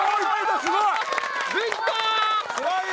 すごいよ！